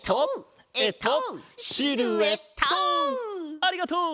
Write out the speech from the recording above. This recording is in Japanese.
ありがとう！